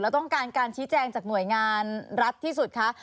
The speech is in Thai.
ต้องการการชี้แจงจากหน่วยงานรัฐที่สุดคะ